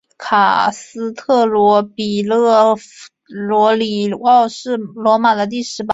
卡斯特罗比勒陀里奥是罗马的第十八区。